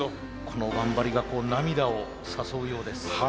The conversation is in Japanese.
この頑張りが涙を誘うようです。